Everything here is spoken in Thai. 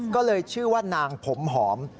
ก็เลยชื่อว่านางผมหอม